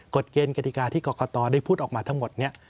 กฎเกณฑ์กฎิกาที่กรกตได้พูดออกมาทั้งหมดนี้